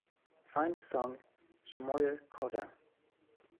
Find the song Shomoyer Kotha